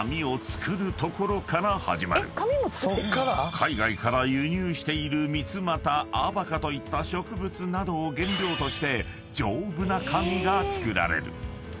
［海外から輸入しているミツマタアバカといった植物などを原料として］